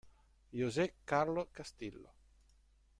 José Carlos Castillo